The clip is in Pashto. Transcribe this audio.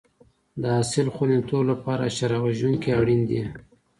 د حاصل خوندیتوب لپاره حشره وژونکي اړین دي.